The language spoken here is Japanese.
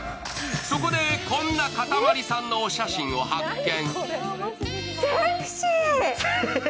そこで、こんなかたまりさんのお写真を発見。